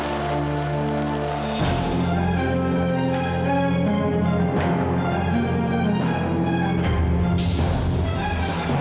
terima kasih ya